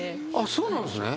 そうなんですね。